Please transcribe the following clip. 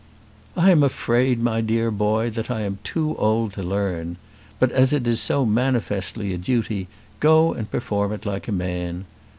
"I am afraid, my dear boy, that I am too old to learn. But as it is so manifestly a duty, go and perform it like a man.